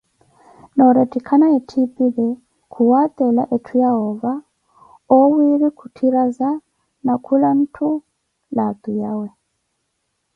Noorettikhana etthiipile, khuwaatela etthu yahoova, oowiiri khutthiraza, na khula ntthu laatu yawe.